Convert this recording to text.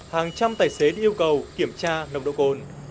hàng trăm tài xế được yêu cầu kiểm tra nồng độ cồn